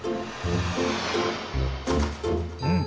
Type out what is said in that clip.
うん。